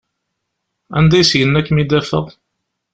Anda i s-yenna ad kem-id-afeɣ?